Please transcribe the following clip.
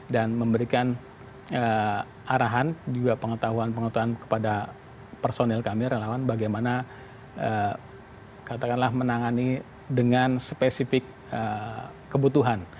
dan memberikan arahan juga pengetahuan pengetahuan kepada personil kami relawan bagaimana katakanlah menangani dengan spesifik kebutuhan